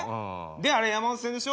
であれ山手線でしょ？